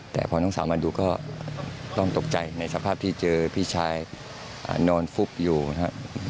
แต่พอน้องสาวมาดูก็ต้องตกใจในสภาพที่เจอพี่ชายนอนฟุบอยู่นะครับ